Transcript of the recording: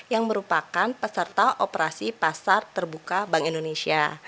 yang merupakan peserta operasi pasar terbuka bank indonesia